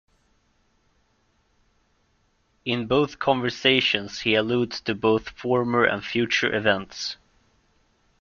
In both conversations he alludes to both former and future events.